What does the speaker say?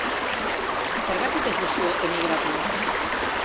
Zergatik ez duzue emigratu?